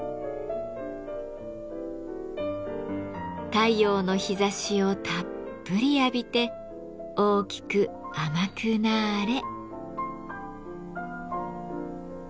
太陽の日ざしをたっぷり浴びて大きく甘くなれ！